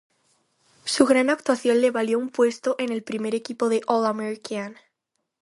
Su gran actuación le valió un puesto en el primer equipo del All-American.